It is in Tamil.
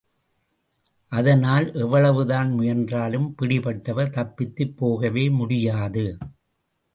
அதனால், எவ்வளவுதான் முயன்றாலும், பிடிபட்டவர் தப்பித்துப் போகவே முடியாது.